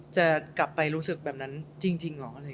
จะกลับไปรู้สึกแบบนั้นจริงเหรอ